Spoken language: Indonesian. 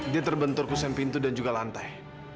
dia terbentur kusen pintu dan juga lantai